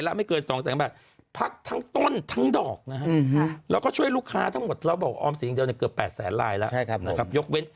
แล้วบอกว่าออมศรีนิยงเจ้าเนี่ยเกือบ๘๐๐๐๐๐ลายแล้ว